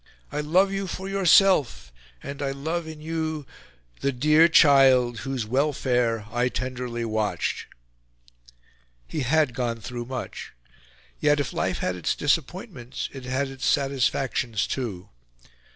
I love you FOR YOURSELF, and I love in you the dear child whose welfare I tenderly watched." He had gone through much; yet, if life had its disappointments, it had its satisfactions too.